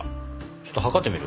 ちょっと測ってみる？